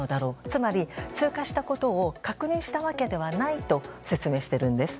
つまり、通過したことを確認したわけではないと説明しているんです。